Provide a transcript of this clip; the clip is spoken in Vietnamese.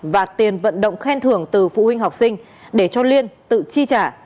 và tiền vận động khen thưởng từ phụ huynh học sinh để cho liên tự chi trả